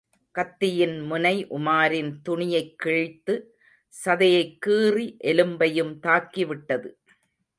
கத்தியின் முனைஉமாரின் துணியைக் கிழித்து, சதையைக் கீறி எலும்பையும் தாக்கிவிட்டது.